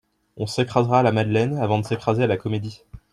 On s'écrasera à la Madeleine, avant de s'écraser à la Comédie.